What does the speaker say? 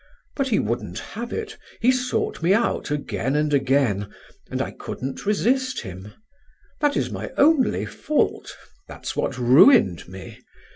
But he wouldn't have it; he sought me out again and again and I couldn't resist him. That is my only fault. That's what ruined me.